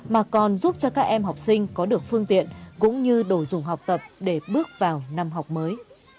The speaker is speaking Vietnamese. mà còn giúp cho các em học sinh có được phương tiện cũng như đồ dùng học tập để bước vào năm học mới